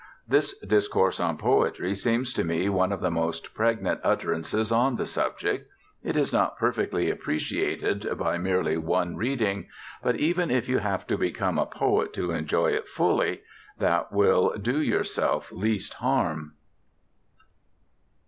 This discourse on poetry seems to me one of the most pregnant utterances on the subject. It is not perfectly appreciated by merely one reading; but even if you have to become a poet to enjoy it fully, that will do yourself least harm.